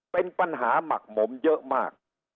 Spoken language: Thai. เป็นปัญหาหมักหมมเยอะมาก